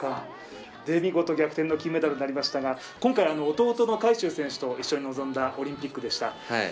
見事、逆転の金メダルになりましたが、今回、弟の海祝選手と一緒に臨んだオリンピックでした。